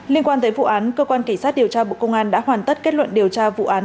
liên quan tới vụ án cơ quan cảnh sát điều tra bộ công an đã hoàn tất kết luận điều tra vụ án